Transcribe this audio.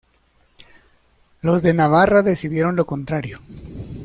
Los de Navarra decidieron lo contrario.